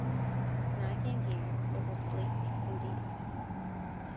When I came here, it was bleak indeed.